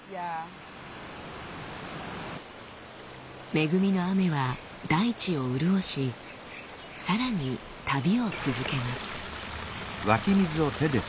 恵みの雨は大地を潤しさらに旅を続けます。